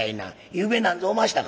ゆうべなんぞおましたか？